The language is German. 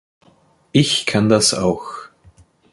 Ich kann das auch.